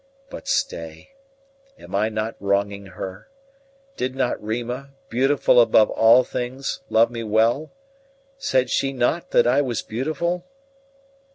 But stay, am I not wronging her? Did not Rima, beautiful above all things, love me well? said she not that I was beautiful?"